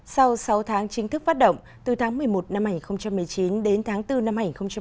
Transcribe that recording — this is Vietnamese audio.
sau sáu tháng chính thức phát động từ tháng một mươi một năm hai nghìn một mươi chín đến tháng bốn năm hai nghìn hai mươi